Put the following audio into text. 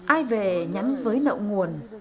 ai về nhắn với nộng nguồn